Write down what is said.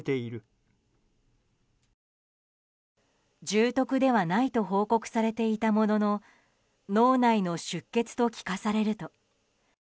重篤ではないと報告されていたものの脳内の出血と聞かされると。